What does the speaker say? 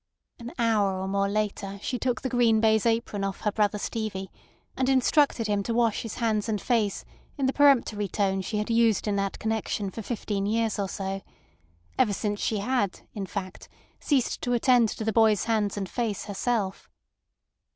An hour or more later she took the green baize apron off her brother Stevie, and instructed him to wash his hands and face in the peremptory tone she had used in that connection for fifteen years or so—ever since she had, in fact, ceased to attend to the boy's hands and face herself.